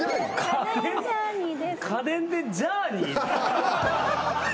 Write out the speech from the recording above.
家電でジャーニー？